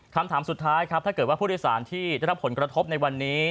คำถามสุดท้ายครับถ้าเกิดว่าผู้โดยสารที่ได้รับผลกระทบในวันนี้